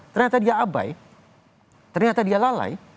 ternyata dia abai ternyata dia lalai